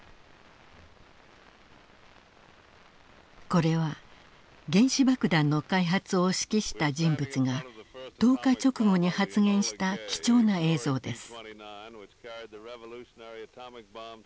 これは原子爆弾の開発を指揮した人物が投下直後に発言した貴重な映像です。